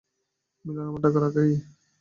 Miller আমাকে ডাকার আগেই!